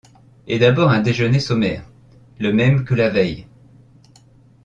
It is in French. Et d’abord un déjeuner sommaire, — le même que la veille.